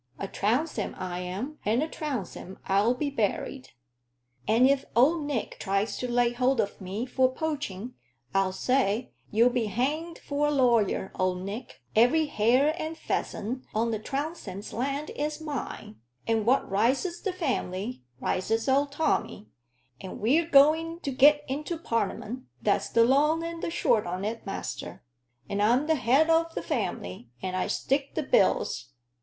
A Trounsem I am, and a Trounsem I'll be buried; and if Old Nick tries to lay hold on me for poaching, I'll say, 'You be hanged for a lawyer, Old Nick; every hare and pheasant on the Trounsem's land is mine'; and what rises the family, rises old Tommy; and we're going to get into Parl'ment that's the long and the short on't, master. And I'm the head o' the family, and I stick the bills.